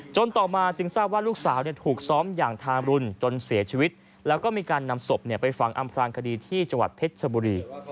ต่อมาจึงทราบว่าลูกสาวถูกซ้อมอย่างทามรุนจนเสียชีวิตแล้วก็มีการนำศพไปฝังอำพลางคดีที่จังหวัดเพชรชบุรี